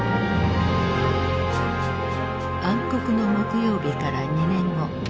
暗黒の木曜日から２年後。